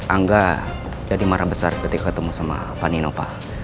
angga jadi marah besar ketika ketemu sama panino pak